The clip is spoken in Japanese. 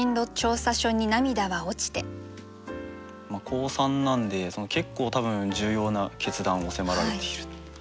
高３なんで結構多分重要な決断を迫られている。